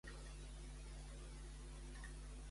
Aleshores, quina qüestió llança al president espanyol?